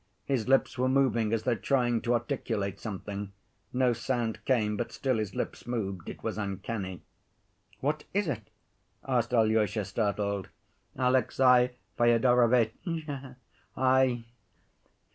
His lips were moving as though trying to articulate something; no sound came, but still his lips moved. It was uncanny. "What is it?" asked Alyosha, startled. "Alexey Fyodorovitch ... I